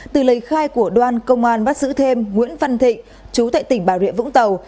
từ lời khai của đoan công an bắt giữ thêm nguyễn văn thịnh chú tại tỉnh bà rịa vũng tàu